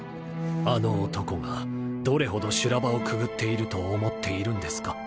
あの男がどれほど修羅場をくぐっていると思っているんですか。